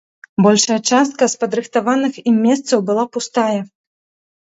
Большая частка з падрыхтаваных ім месцаў была пустая.